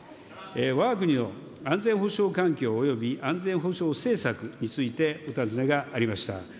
わが国の安全保障環境および安全保障政策についてお尋ねがありました。